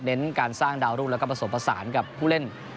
เน้นการสร้างดาวรุ่นแล้วก็ประสบประสานกับผู้เล่น